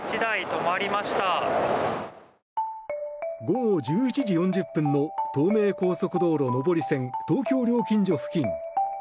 午後１１時４０分の東名高速道路上り線東京料金所付近。